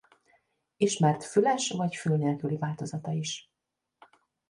Ismert füles vagy fül nélküli változata is.